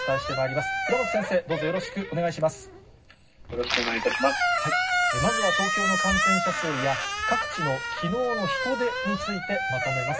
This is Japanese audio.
まずは東京の感染者数や、各地のきのうの人出についてまとめます。